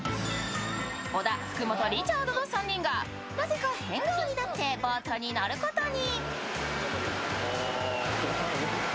小田、福本、リチャードの３人がなぜか変顔になってボートに乗ることに。